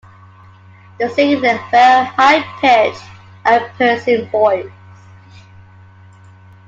They sing in a very high pitched and piercing voice.